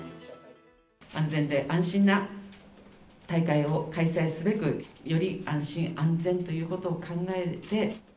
安全で安心な大会を開催すべく、より安心・安全ということを考えて。